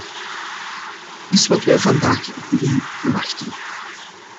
Dat is wat wij vandaag van u verwachten.